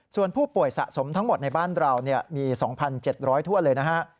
ส่วนผู้ป่วยสะสมทั้งหมดในบ้านเรามี๒๗๐๐ทั่วเลยนะฮะ